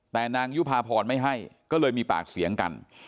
แต่นางยุภาพรไม่ให้ก็เลยมีปากเสียงกัน